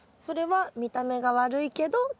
それは見た目が悪いけど。